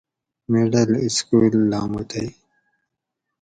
مڈل سکول لاموتئ